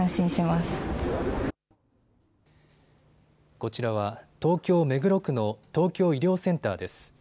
こちらは東京目黒区の東京医療センターです。